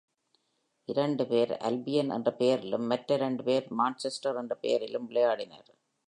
இரண்டு பேர் "அல்பியன்" என்ற பெயரிலும், மற்ற இரண்டு பேர் "மான்செஸ்டர்" என்ற பெயரிலும் விளையாடினர்.